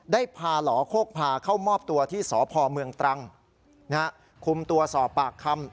ได้พาหล่อโคกพาเข้ามอบตัวที่สพเมืองตรังคุมตัวสอบปากคำ